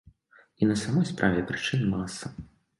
І на самой справе, прычын маса.